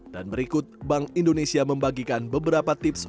dan berikut bank indonesia membagikan beberapa tips